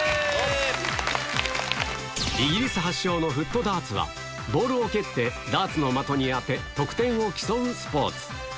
イギリス発祥のフットダーツは、ボールを蹴ってダーツの的に当て、得点を競うスポーツ。